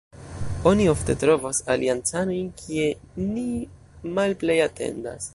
Oni ofte trovas aliancanojn kie ni malplej atendas.